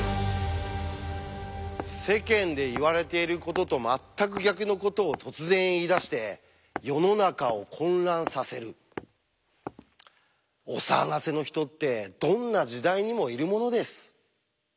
世間で言われていることと全く逆のことを突然言いだして世の中を混乱させるお騒がせの人ってどんな時代にもいるものです。